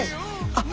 あっ